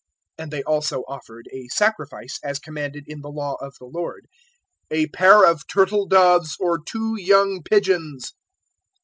002:024 And they also offered a sacrifice as commanded in the Law of the Lord, "a pair of turtle doves or two young pigeons."